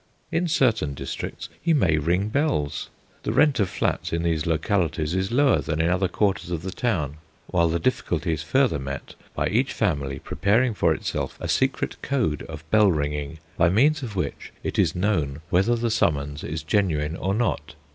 In certain districts he may ring bells. The rent of flats in these localities is lower than in other quarters of the town; while the difficulty is further met by each family preparing for itself a secret code of bell ringing by means of which it is known whether the summons is genuine or not.